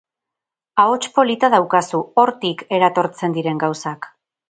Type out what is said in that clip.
Ahots polita daukazu, hortik eratortzen diren gauzak.